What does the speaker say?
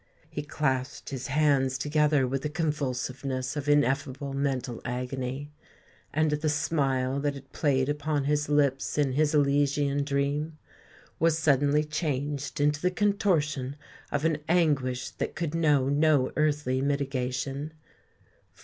He clasped his hands together with the convulsiveness of ineffable mental agony; and the smile that had played upon his lips in his elysian dream, was suddenly changed into the contortion of an anguish that could know no earthly mitigation.